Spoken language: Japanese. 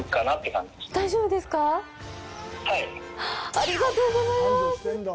ありがとうございます！